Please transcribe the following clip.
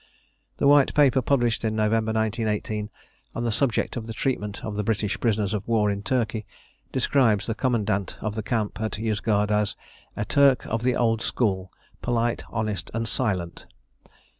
The White Paper published in November 1918 on the subject of the Treatment of British Prisoners of War in Turkey describes the commandant of the camp at Yozgad as a "Turk of the old school polite, honest, and silent."